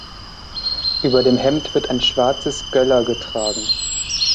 Über dem Hemd wird ein schwarzes Göller getragen.